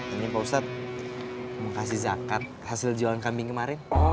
ini pak ustadz mengkasih zakat hasil jualan kambing kemarin